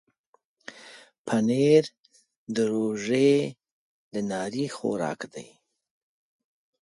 پنېر د روژې د ناري خوراک دی.